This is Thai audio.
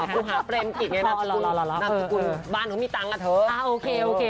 คูฮะเปรมปิดเนี่ยนับชกุลใบบ้านก็มีตังค์ล่ะเถอะ